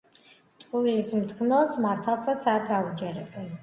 ტყუილის მთქმელს მართალსაც არ დაუჯერებენ